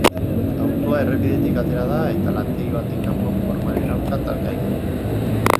Autoa errepidetik atera da eta lantegi baten kanpoko hormaren aurka talka egin du.